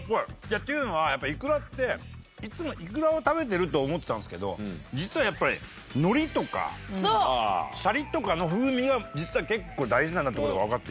っていうのはやっぱイクラっていつもイクラを食べてると思ってたんですけど実はやっぱり海苔とかシャリとかの風味が実は結構大事なんだって事がわかって。